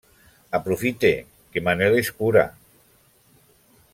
Aprofite que Manel escura.